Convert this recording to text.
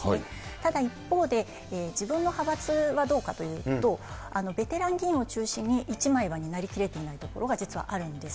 ただ一方で、自分の派閥はどうかというと、ベテラン議員を中心に一枚岩になりきれていないところが実はあるんです。